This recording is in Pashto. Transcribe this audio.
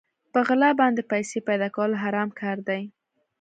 په غلا باندې پيسې پيدا کول حرام کار دی.